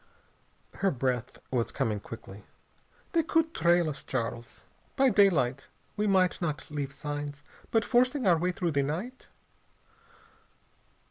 Her breath was coming quickly. "They could trail us, Charles. By daylight we might not leave signs, but forcing our way through the night...."